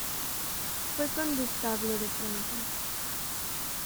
Fue condestable de Francia.